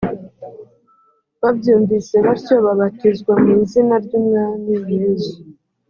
babyumvise batyo babatizwa mu izina ry’umwami yezu